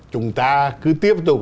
chúng ta cứ tiếp tục